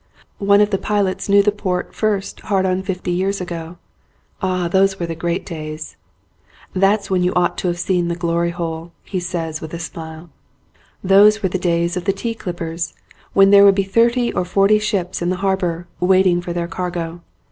One of the pilots knew the port first hard on fifty years ago. Ah, those were the great days. "That's when you ought to have seen the Glory Hole," he says, with a smile. Those were the days of the tea clippers, when there would be thirty or forty ships in the har bour, waiting for their cargo.